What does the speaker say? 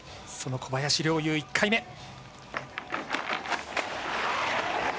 その小林陵侑、１回目。